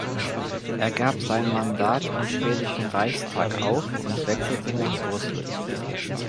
Er gab sein Mandat im schwedischen Reichstag auf und wechselte nach Brüssel.